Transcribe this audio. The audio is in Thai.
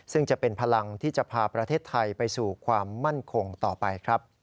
ซึ่งจะเป็นพลังที่จะพาประเทศไทยไปสู่ความมั่นคงต่อไปครับ